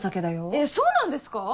えっそうなんですか？